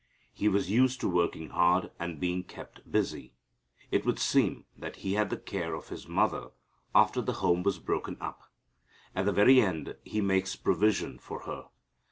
He was used to working hard and being kept busy. It would seem that He had the care of His mother after the home was broken up. At the very end He makes provision for her.